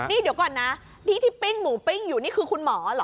นี่เดี๋ยวก่อนนะที่ที่ปิ้งหมูปิ้งอยู่นี่คือคุณหมอเหรอ